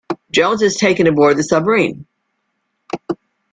Jones is taken aboard the submarine.